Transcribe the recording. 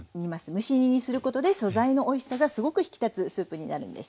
蒸し煮にすることで素材のおいしさがすごく引き立つスープになるんです。